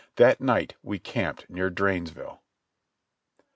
That night we camped near Drainesville.